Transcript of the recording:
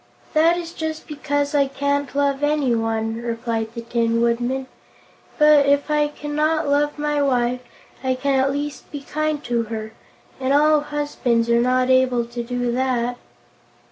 "That is just because I can't love anyone," replied the Tin Woodman. "But, if I cannot love my wife, I can at least be kind to her, and all husbands are not able to do that."